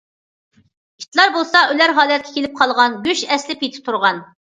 ئىتلار بولسا ئۆلەر ھالەتكە كېلىپ قالغان، گۆش ئەسلى پېتى تۇرغان.